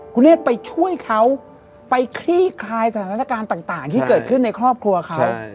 คุณเนธไปช่วยเขาไปคลี่คลายสถานการณ์ต่างที่เกิดขึ้นในครอบครัวเขา